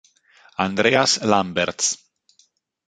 Andreas Lambertz